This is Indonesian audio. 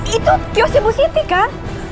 itu kiosk ibu siti kang